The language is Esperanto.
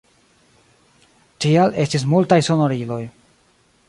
Tial estis multaj sonoriloj.